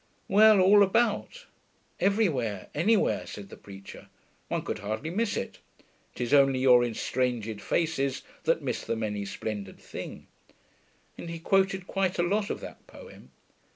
Well, all about; everywhere, anywhere, said the preacher; one could hardly miss it. ''Tis only your estrangèd faces That miss the many splendoured thing....' and he quoted quite a lot of that poem.